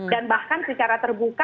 dan bahkan secara terbuka